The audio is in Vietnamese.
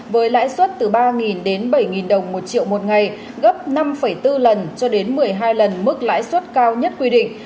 với lãi suất từ ba đến bảy đồng một triệu một ngày gấp năm bốn lần cho đến một mươi hai lần mức lãi suất cao nhất quy định